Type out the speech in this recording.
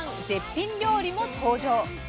絶品料理も登場。